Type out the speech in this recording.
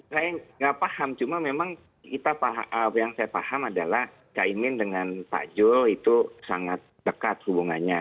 saya nggak paham cuma memang yang saya paham adalah caimin dengan pak jul itu sangat dekat hubungannya